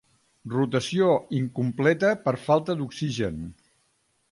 Rotació incompleta per falta d'oxigen.